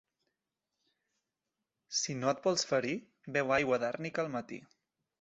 Si no et vols ferir beu aigua d'àrnica al matí.